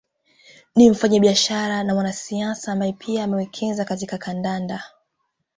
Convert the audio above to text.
Ni mfanyabiashara na mwanasiasa ambaye pia amewekeza katika kandanda